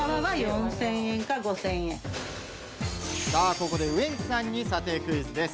ここでウエンツさんに査定クイズです。